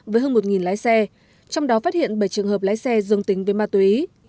với hơn một lái xe trong đó phát hiện bảy trường hợp lái xe dương tính với ma túy